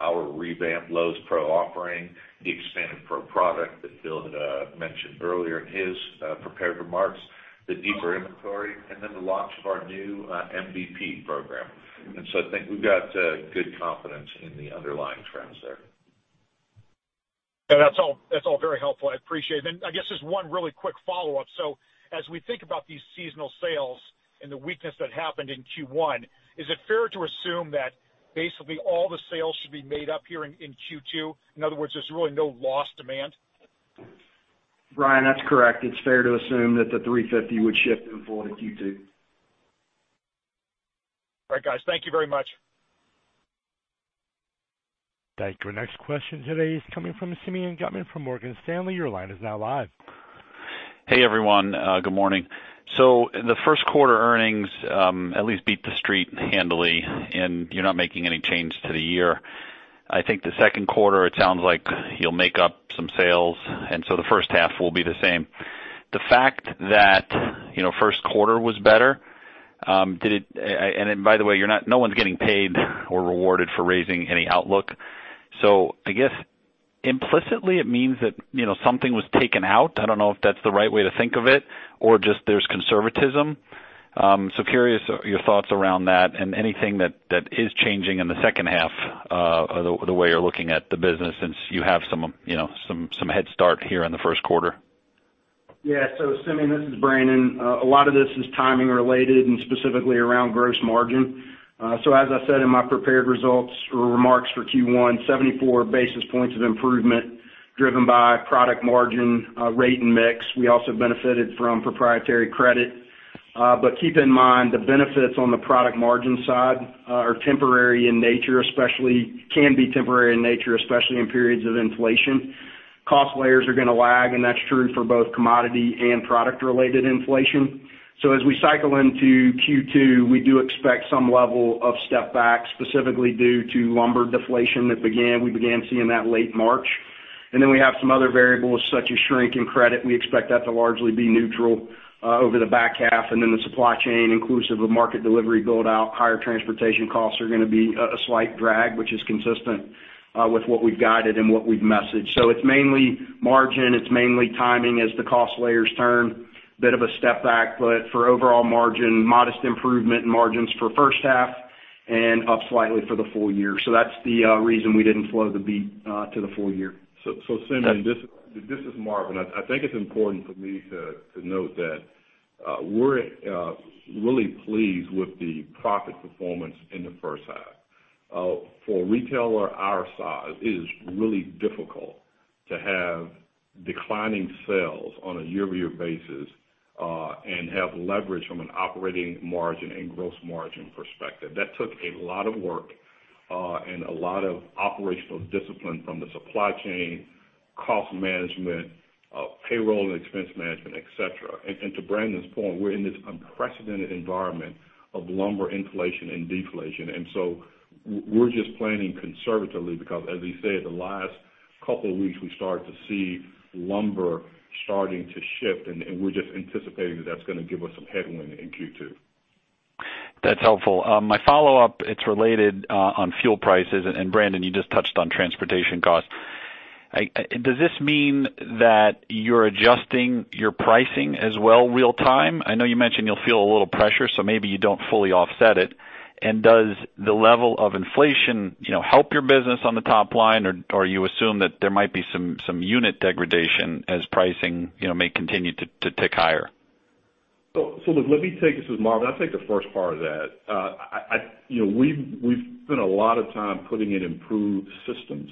our revamped Lowe's Pro offering, the expanded Pro product that Bill had mentioned earlier in his prepared remarks, the deeper inventory, and then the launch of our new MVP program. I think we've got good confidence in the underlying trends there. Yeah, that's all, that's all very helpful. I appreciate it. I guess just one really quick follow-up. As we think about these seasonal sales The weakness that happened in Q1, is it fair to assume that basically all the sales should be made up here in Q2? In other words, there's really no lost demand? Brian, that's correct. It's fair to assume that the $350 would shift in full to Q2. All right, guys. Thank you very much. Thank you. As I said in my prepared results or remarks for Q1, 74 basis points of improvement driven by product margin rate and mix. We also benefited from proprietary credit. Keep in mind the benefits on the product margin side are temporary in nature, especially in periods of inflation. Cost layers are gonna lag and that's true for both commodity and product-related inflation. As we cycle into Q2, we do expect some level of step back specifically due to lumber deflation that we began seeing late March. We have some other variables such as shrinking credit, and we expect that to largely be neutral over the back half. The supply chain inclusive of market delivery build out, higher transportation costs are gonna be a slight drag which is consistent with what we've guided and what we've messaged. It's mainly margin, it's mainly timing as the cost layers turn, bit of a step back. For overall margin, modest improvement margins for first half and up slightly for the full year. That's the reason we didn't flow the beat to the full year. Simeon Yes. This is Marvin. I think it's important for me to note that we're really pleased with the profit performance in the first half. For a retailer our size, it is really difficult to have declining sales on a year-over-year basis and have leverage from an operating margin and gross margin perspective. That took a lot of work and a lot of operational discipline from the supply chain, cost management, payroll and expense management, et cetera. To Brandon's point, we're in this unprecedented environment of lumber inflation and deflation. We're just planning conservatively because as he said, the last couple of weeks we started to see lumber starting to shift and we're just anticipating that that's gonna give us some headwind in Q2. That's helpful. My follow-up, it's related on fuel prices and Brandon you just touched on transportation costs. Does this mean that you're adjusting your pricing as well real time? I know you mentioned you'll feel a little pressure so maybe you don't fully offset it. Does the level of inflation, you know, help your business on the top line or you assume that there might be some unit degradation as pricing, you know, may continue to tick higher? Let me take this. This is Marvin. I'll take the first part of that. You know, we've spent a lot of time putting in improved systems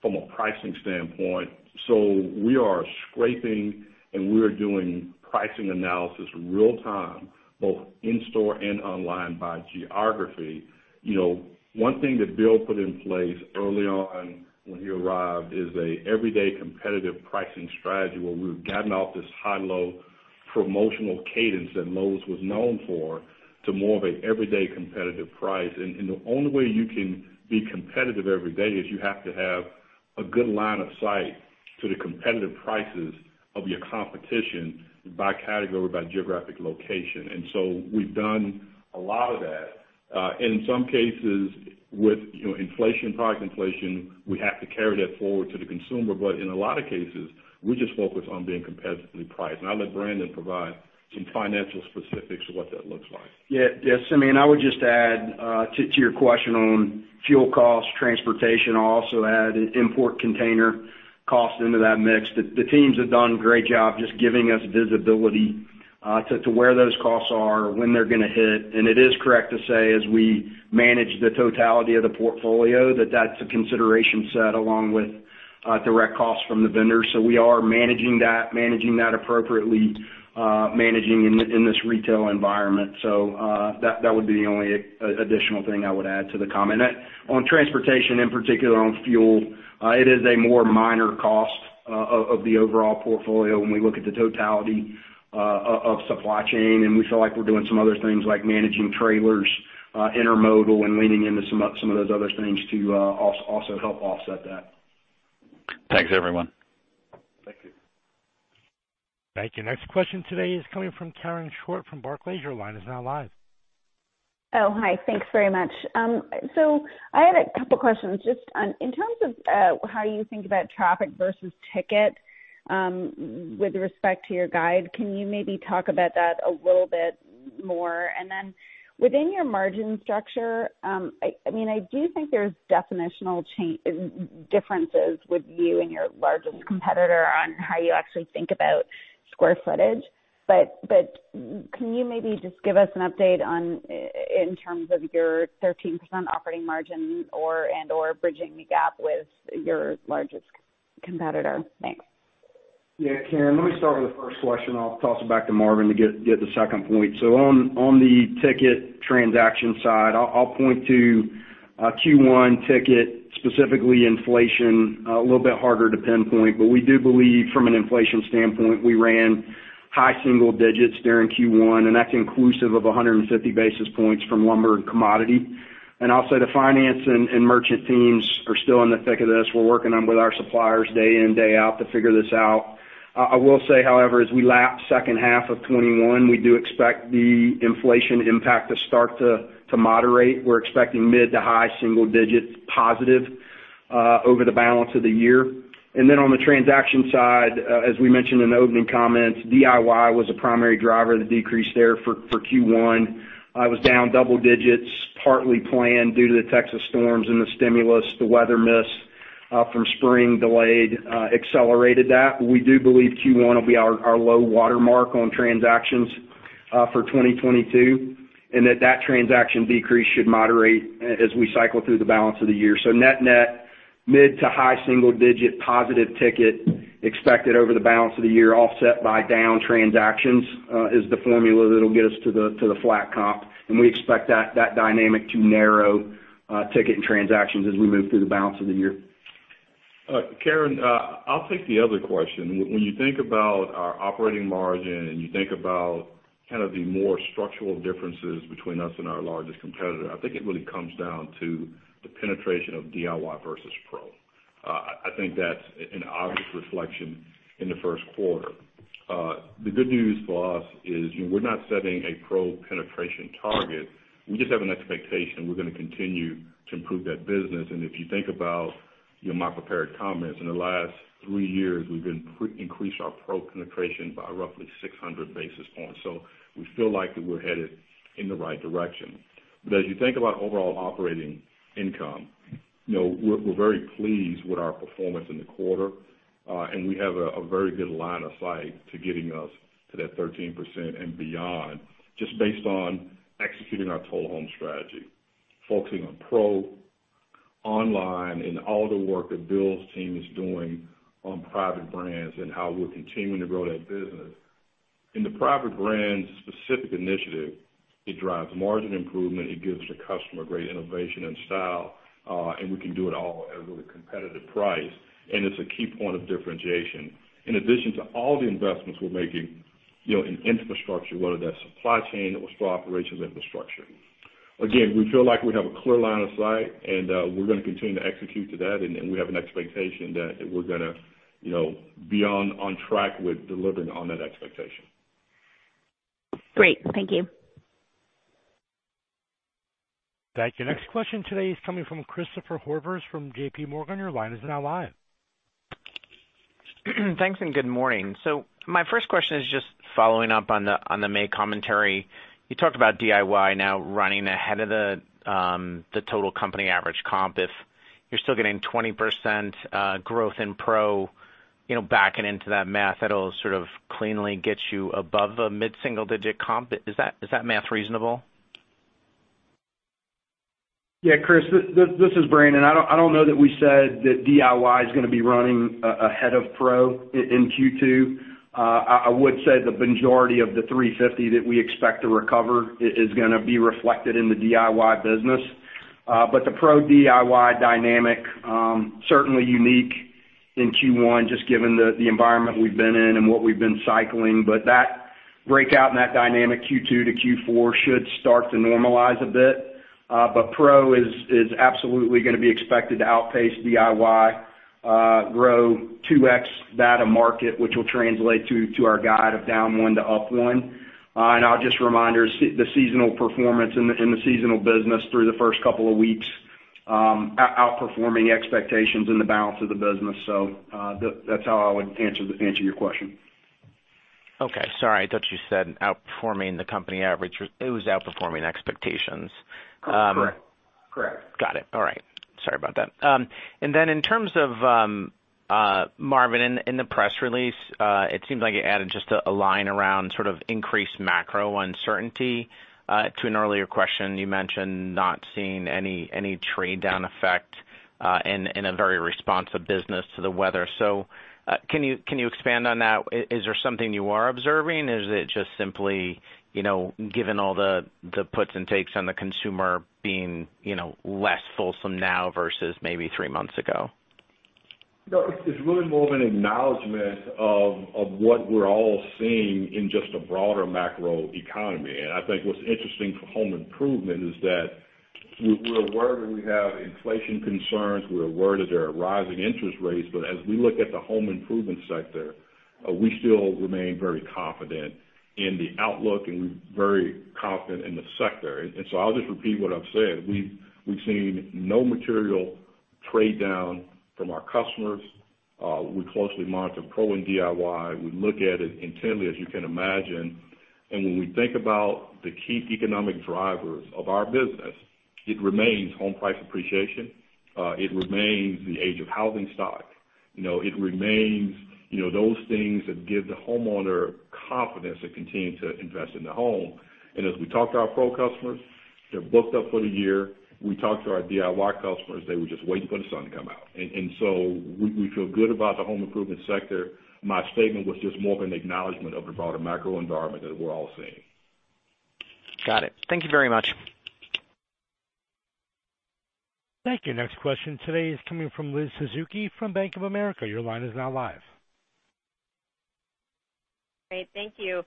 from a pricing standpoint. We are scraping and we are doing pricing analysis real time both in-store and online by geography. You know, one thing that Bill put in place early on when he arrived is an everyday competitive pricing strategy where we've gotten off this high-low promotional cadence that Lowe's was known for to more of an everyday competitive price. The only way you can be competitive every day is you have to have a good line of sight to the competitive prices of your competition by category, by geographic location. We've done a lot of that. In some cases with, you know, inflation, product inflation, we have to carry that forward to the consumer. In a lot of cases we just focus on being competitively priced and I'll let Brandon provide some financial specifics of what that looks like. Yeah. Yeah, Simeon, I would just add to your question on fuel costs, transportation. I'll also add import container cost into that mix. The teams have done a great job just giving us visibility to where those costs are, when they're gonna hit. It is correct to say as we manage the totality of the portfolio that that's a consideration set along with direct costs from the vendors. We are managing that appropriately in this retail environment. That would be the only additional thing I would add to the comment. On transportation in particular on fuel, it is a more minor cost of the overall portfolio when we look at the totality of supply chain and we feel like we're doing some other things like managing trailers, intermodal and leaning into some of those other things to also help offset that. Thanks everyone. Thank you. Thank you. Next question today is coming from Karen Short from Barclays. Your line is now live. Oh, hi. Thanks very much. I had a couple questions just on in terms of how you think about traffic versus ticket with respect to your guide. Can you maybe talk about that a little bit more? Then within your margin structure, I mean, I do think there's definitional differences with you and your largest competitor on how you actually think about square footage. Can you maybe just give us an update on in terms of your 13% operating margin or, and/or bridging the gap with your largest competitor? Thanks. Yeah, Karen, let me start with the first question. I'll toss it back to Marvin to get the second point. On the ticket transaction side, I'll point to Q1 ticket, specifically inflation, a little bit harder to pinpoint, but we do believe from an inflation standpoint, we ran high single digits there in Q1, and that's inclusive of 150 basis points from lumber and commodity. I'll say the finance and merchant teams are still in the thick of this. We're working on with our suppliers day in, day out to figure this out. I will say, however, as we lap second half of 2021, we do expect the inflation impact to start to moderate. We're expecting mid to high single digits positive over the balance of the year. On the transaction side, as we mentioned in the opening comments, DIY was a primary driver of the decrease there for Q1. It was down double digits, partly planned due to the Texas storms and the stimulus, the weather miss from spring delayed accelerated that. We do believe Q1 will be our low watermark on transactions for 2022, and that transaction decrease should moderate as we cycle through the balance of the year. Net-net, mid to high single digit positive ticket expected over the balance of the year, offset by down transactions, is the formula that'll get us to the flat comp. We expect that dynamic to narrow ticket and transactions as we move through the balance of the year. Karen, I'll take the other question. When you think about our operating margin and you think about kind of the more structural differences between us and our largest competitor, I think it really comes down to the penetration of DIY versus pro. I think that's an obvious reflection in the first quarter. The good news for us is we're not setting a pro penetration target. We just have an expectation we're gonna continue to improve that business. If you think about, you know, my prepared comments, in the last three years, we've increased our pro penetration by roughly 600 basis points. We feel like that we're headed in the right direction. As you think about overall operating income, you know, we're very pleased with our performance in the quarter, and we have a very good line of sight to getting us to that 13% and beyond, just based on executing our Total Home strategy, focusing on Pro, online, and all the work that Bill's team is doing on private brands and how we're continuing to grow that business. In the private brands specific initiative, it drives margin improvement, it gives the customer great innovation and style, and we can do it all at a really competitive price. It's a key point of differentiation. In addition to all the investments we're making, you know, in infrastructure, whether that's supply chain or store operations infrastructure. Again, we feel like we have a clear line of sight and we're gonna continue to execute to that. We have an expectation that we're gonna, you know, be on track with delivering on that expectation. Great. Thank you. Thank you. Next question today is coming from Christopher Horvers from J.P. Morgan. Your line is now live. Thanks, good morning. My first question is just following up on the May commentary. You talked about DIY now running ahead of the total company average comp. If you're still getting 20% growth in pro, you know, backing into that math, it'll sort of cleanly get you above a mid-single digit comp. Is that math reasonable? Yeah, Chris, this is Brandon. I don't know that we said that DIY is gonna be running ahead of pro in Q2. I would say the majority of the 350 that we expect to recover is gonna be reflected in the DIY business. The pro DIY dynamic certainly unique in Q1 just given the environment we've been in and what we've been cycling. That breakout and that dynamic Q2 to Q4 should start to normalize a bit. Pro is absolutely gonna be expected to outpace DIY, grow 2x that of market, which will translate to our guide of down 1% to up 1%. I'll just remind you, the seasonal performance in the seasonal business through the first couple of weeks, outperforming expectations in the balance of the business. That's how I would answer your question. Okay. Sorry, I thought you said outperforming the company average. It was outperforming expectations. Correct. Correct. Got it. All right. Sorry about that. In terms of Marvin, in the press release, it seems like it added just a line around sort of increased macro uncertainty. To an earlier question, you mentioned not seeing any trade down effect in a very responsive business to the weather. Can you expand on that? Is there something you are observing? Is it just simply, you know, given all the puts and takes on the consumer being, you know, less fulsome now versus maybe three months ago? No, it's really more of an acknowledgement of what we're all seeing in just a broader macro economy. I think what's interesting for home improvement is that we're aware that we have inflation concerns, we're aware that there are rising interest rates, but as we look at the home improvement sector, we still remain very confident in the outlook and very confident in the sector. I'll just repeat what I've said. We've seen no material trade down from our customers. We closely monitor pro and DIY. We look at it intently, as you can imagine. When we think about the key economic drivers of our business, it remains home price appreciation, it remains the age of housing stock. You know, it remains, you know, those things that give the homeowner confidence to continue to invest in the home. As we talk to our pro customers, they're booked up for the year. We talk to our DIY customers, they were just waiting for the sun to come out. We feel good about the home improvement sector. My statement was just more of an acknowledgement of the broader macro environment that we're all seeing. Got it. Thank you very much. Thank you. Next question today is coming from Elizabeth Suzuki from Bank of America. Your line is now live. Great. Thank you.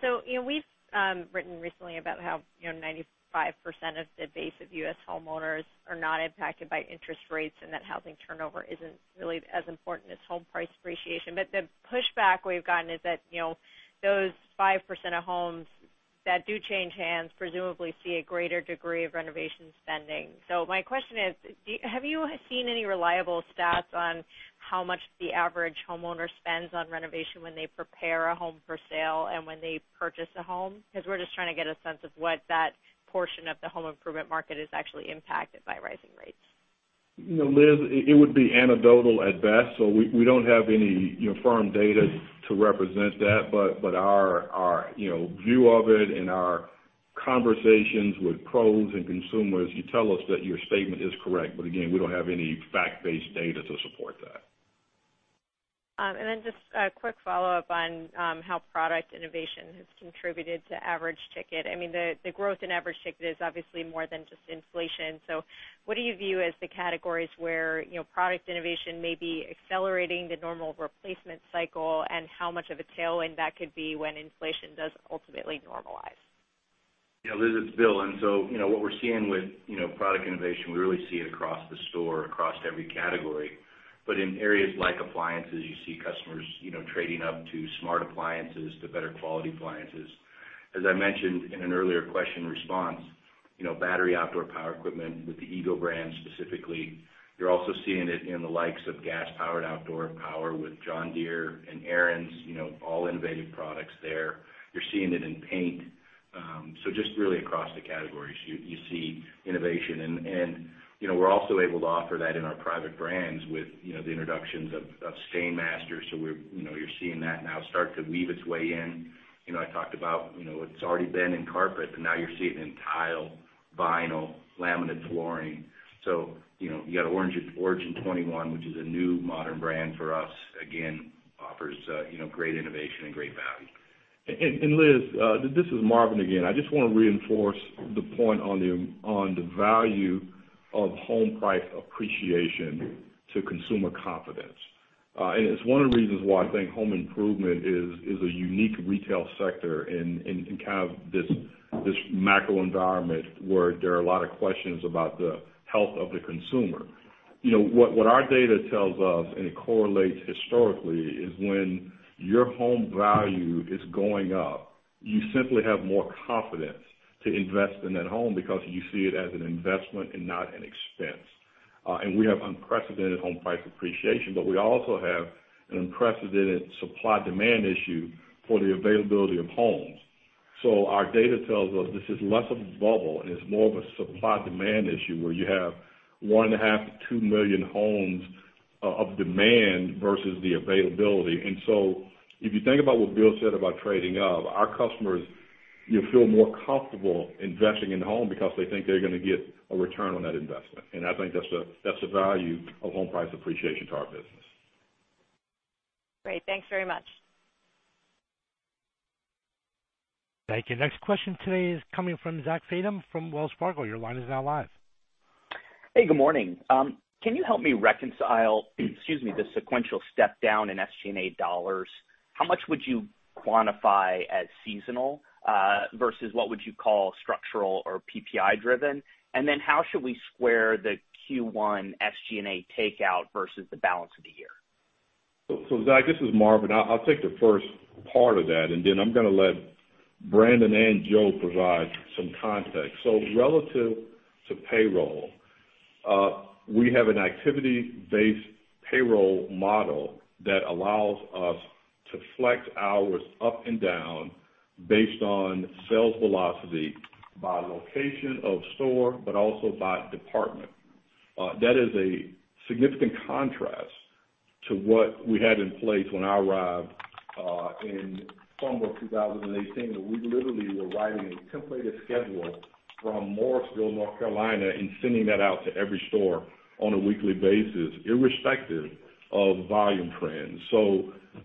You know, we've written recently about how, you know, 95% of the base of U.S. homeowners are not impacted by interest rates, and that housing turnover isn't really as important as home price appreciation. The pushback we've gotten is that, you know, those 5% of homes that do change hands presumably see a greater degree of renovation spending. My question is, have you seen any reliable stats on how much the average homeowner spends on renovation when they prepare a home for sale and when they purchase a home? Because we're just trying to get a sense of what that portion of the home improvement market is actually impacted by rising rates. You know, Liz, it would be anecdotal at best. We don't have any, you know, firm data to represent that. Our, you know, view of it and our conversations with pros and consumers tell us that your statement is correct. Again, we don't have any fact-based data to support that. Just a quick follow-up on how product innovation has contributed to average ticket. I mean, the growth in average ticket is obviously more than just inflation. What do you view as the categories where, you know, product innovation may be accelerating the normal replacement cycle, and how much of a tailwind that could be when inflation does ultimately normalize? Yeah, Liz, it's Bill. You know, what we're seeing with, you know, product innovation, we really see it across the store, across every category. In areas like appliances, you see customers, you know, trading up to smart appliances, to better quality appliances. As I mentioned in an earlier question and response, you know, battery outdoor power equipment with the EGO brand specifically. You're also seeing it in the likes of gas-powered outdoor power with John Deere and Ariens, you know, all innovative products there. You're seeing it in paint. Just really across the categories, you see innovation. You know, we're also able to offer that in our private brands with, you know, the introductions of STAINMASTER. You know, you're seeing that now start to weave its way in. You know, I talked about, you know, it's already been in carpet, but now you're seeing it in tile, vinyl, laminate flooring. You know, you got Origin 21, which is a new modern brand for us. Again, offers, you know, great innovation and great value. Liz, this is Marvin again. I just wanna reinforce the point on the value of home price appreciation to consumer confidence. It's one of the reasons why I think home improvement is a unique retail sector in kind of this macro environment where there are a lot of questions about the health of the consumer. You know, what our data tells us, and it correlates historically, is when your home value is going up, you simply have more confidence to invest in that home because you see it as an investment and not an expense. We have unprecedented home price appreciation, but we also have an unprecedented supply-demand issue for the availability of homes. Our data tells us this is less of a bubble, and it's more of a supply-demand issue, where you have 1.5 million-2 million homes of demand versus the availability. If you think about what Bill said about trading up, our customers, you know, feel more comfortable investing in the home because they think they're gonna get a return on that investment. I think that's the value of home price appreciation to our business. Great. Thanks very much. Thank you. Next question today is coming from Zachary Fadem from Wells Fargo. Your line is now live. Hey, good morning. Can you help me reconcile, excuse me, the sequential step down in SG&A dollars? How much would you quantify as seasonal, versus what would you call structural or PPI driven? How should we square the Q1 SG&A takeout versus the balance of the year? Zach, this is Marvin. I'll take the first part of that, and then I'm gonna let Brandon and Joe provide some context. Relative to payroll, we have an activity-based payroll model that allows us to flex hours up and down based on sales velocity by location of store, but also by department. That is a significant contrast to what we had in place when I arrived in summer of 2018, where we literally were writing a templated schedule from Morrisville, North Carolina, and sending that out to every store on a weekly basis, irrespective of volume trends.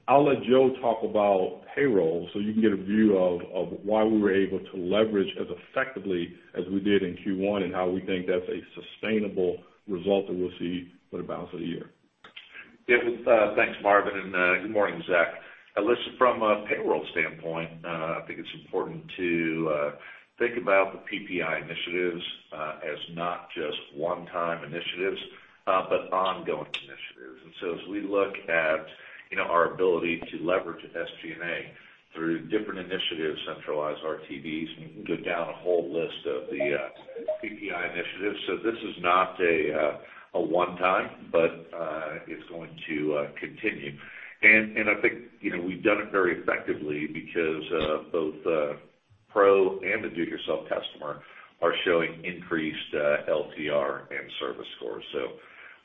I'll let Joe talk about payroll, so you can get a view of why we were able to leverage as effectively as we did in Q1, and how we think that's a sustainable result that we'll see for the balance of the year. Yeah. Well, thanks, Marvin, and good morning, Zach. Listen, from a payroll standpoint, I think it's important to think about the PPI initiatives as not just one-time initiatives, but ongoing initiatives. As we look at, you know, our ability to leverage SG&A through different initiatives, centralized RTVs, and you can go down a whole list of the PPI initiatives. This is not a one-time, but it's going to continue. I think, you know, we've done it very effectively because both Pro and the do-it-yourself customer are showing increased LTR and service scores.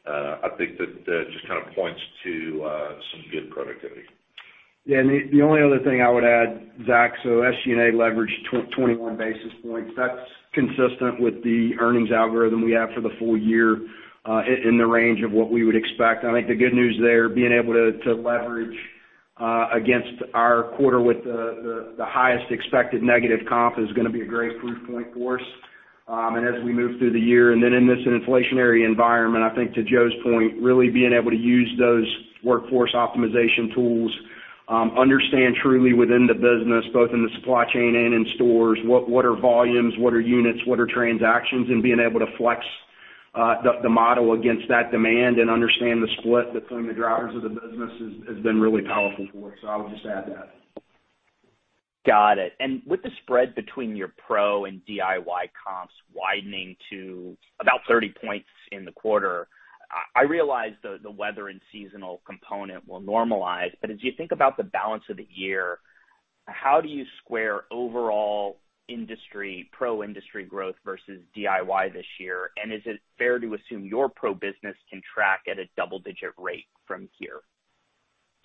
I think that just kind of points to some good productivity. Yeah. The only other thing I would add, Zach, so SG&A leverage 21 basis points. That's consistent with the earnings algorithm we have for the full year in the range of what we would expect. I think the good news there, being able to leverage against our quarter with the highest expected negative comp is gonna be a great proof point for us, and as we move through the year. In this inflationary environment, I think to Joe's point, really being able to use those workforce optimization tools, understand truly within the business, both in the supply chain and in stores, what are volumes, what are units, what are transactions, and being able to flex the model against that demand and understand the split between the drivers of the business has been really powerful for us. I would just add that. Got it. With the spread between your pro and DIY comps widening to about 30 points in the quarter, I realize the weather and seasonal component will normalize, but as you think about the balance of the year, how do you square overall industry, pro industry growth versus DIY this year? Is it fair to assume your pro business can track at a double-digit rate from here?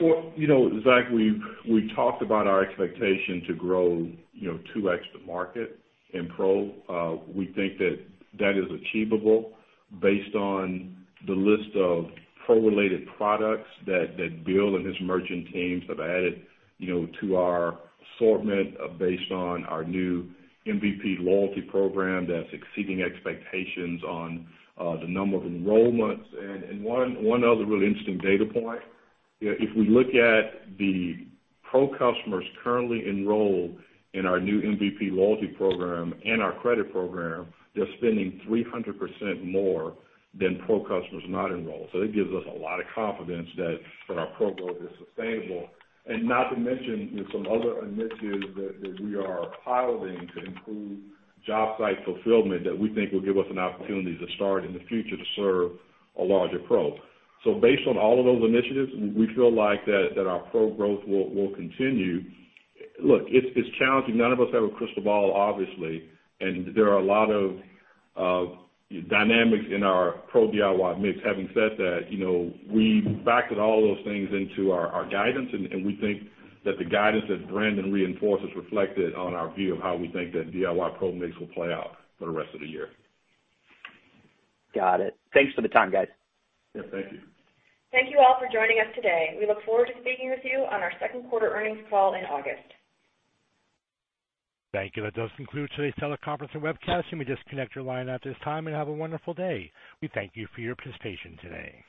Well, you know, Zach, we've talked about our expectation to grow, you know, 2x the market in Pro. We think that is achievable based on the list of Pro-related products that Bill and his merchant teams have added, you know, to our assortment, based on our new MVP loyalty program that's exceeding expectations on the number of enrollments. One other really interesting data point, you know, if we look at the Pro customers currently enrolled in our new MVP loyalty program and our credit program, they're spending 300% more than Pro customers not enrolled. It gives us a lot of confidence that our Pro growth is sustainable. Not to mention, you know, some other initiatives that we are piloting to improve job site fulfillment that we think will give us an opportunity to start in the future to serve a larger pro. Based on all of those initiatives, we feel like that our pro growth will continue. Look, it's challenging. None of us have a crystal ball, obviously. There are a lot of dynamics in our pro DIY mix. Having said that, you know, we've backed all those things into our guidance, and we think that the guidance that Brandon reinforced is reflected on our view of how we think that DIY pro mix will play out for the rest of the year. Got it. Thanks for the time, guys. Yeah, thank you. Thank you all for joining us today. We look forward to speaking with you on our second quarter earnings call in August. Thank you. That does conclude today's teleconference and webcast. You may disconnect your line at this time and have a wonderful day. We thank you for your participation today.